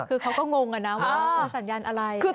คือเขาก็งงว่ามีสัญญาณอะไร